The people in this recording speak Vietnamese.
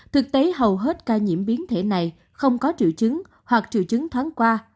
thực tế hầu hết ca nhiễm biến thể này không có triệu chứng hoặc triệu chứng thoáng qua